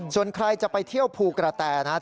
ส่วนใครจะไปเที่ยวภูกระแตนะครับ